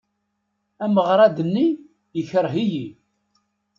Ameɣrad-nni yekṛeh-iyi.